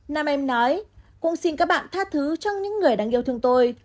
nam em nói cũng xin các bạn tha thứ trong những người đang yêu thương tôi